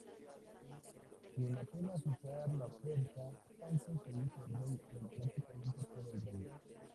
Sin apenas usar la fuerza Sancho se hizo rey en prácticamente todo el Reino.